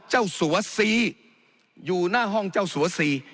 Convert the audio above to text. เจ้าสวสีอยู่หน้าห้องเจ้าสวสี